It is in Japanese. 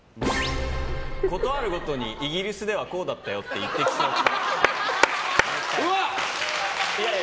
ことあるごとにイギリスではこうだったよと言ってきそうっぽい。